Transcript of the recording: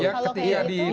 iya ketia di dalam perilaku